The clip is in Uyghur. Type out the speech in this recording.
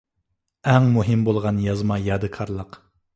ئەڭ مۇھىم بولغان يازما يادىكارلىق.